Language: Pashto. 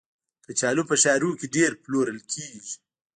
کچالو په ښارونو کې ډېر پلورل کېږي